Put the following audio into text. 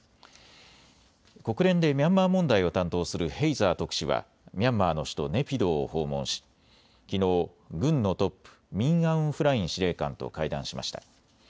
国連でミャンマー問題を担当するヘイザー特使はミャンマーの首都ネピドーを訪問し、きのう軍のトップ、ミン・アウン・フライン司令官と会談しました。